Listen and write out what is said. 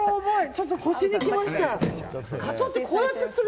ちょっと腰にきました。